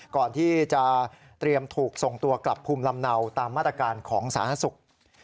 ก่อนที่จะเตรียมถูกส่งตัวกลับภูมิลำเนาตามมาตรการของสาธารณสุข